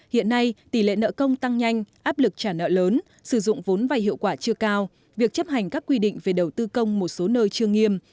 hiện nay tỷ lệ nợ công tăng nhanh áp lực trả nợ lớn sử dụng vốn vay hiệu quả chưa cao việc chấp hành các quy định về đầu tư công một số nơi chưa nghiêm